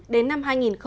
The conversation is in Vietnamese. đến năm hai nghìn hai mươi